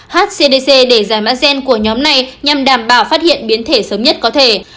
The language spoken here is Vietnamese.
hcdc để giải mã gen của nhóm này nhằm đảm bảo phát hiện biến thể sớm nhất có thể